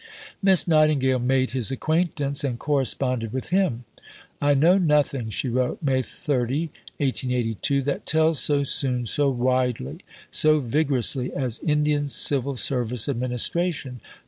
Miss Nightingale made his acquaintance, and corresponded with him. "I know nothing," she wrote (May 30, 1882), "that tells so soon, so widely, so vigorously as Indian Civil Service administration.